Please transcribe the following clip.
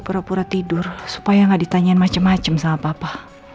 dia pura pura tidur supaya gak ditanyain macem macem sama papa